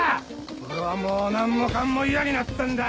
俺はもう何もかも嫌になったんだ！